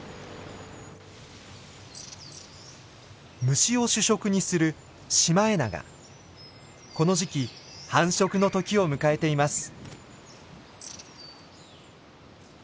虫を主食にするこの時期繁殖の時を迎えています。